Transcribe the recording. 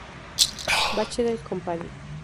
Bechtel Company".